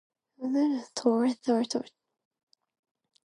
Often the gods are Horus and Set, or on occasion Horus and Thoth.